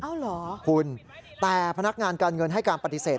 เหรอคุณแต่พนักงานการเงินให้การปฏิเสธ